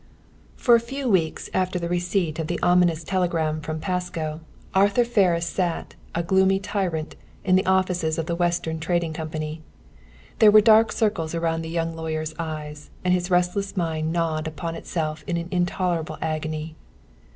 For a week after the receipt of the ominous telegram from Pasco, Arthur Ferris sat, a gloomy tyrant, in the offices of the Western Trading Company. There were dark circles around the young lawyer's eyes, and his restless mind gnawed upon itself in an intolerable agony.